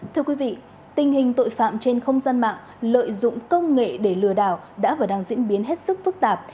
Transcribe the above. thưa quý vị tình hình tội phạm trên không gian mạng lợi dụng công nghệ để lừa đảo đã và đang diễn biến hết sức phức tạp